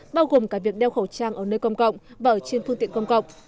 bao gồm cả việc đeo khẩu trang ở nơi công cộng và ở trên phương tiện công cộng